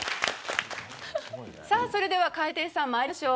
さあそれでは蛙亭さん参りましょう。